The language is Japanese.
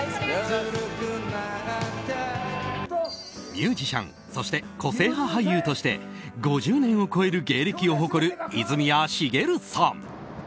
ミュージシャンそして個性派俳優として５０年を超える芸歴を誇る泉谷しげるさん。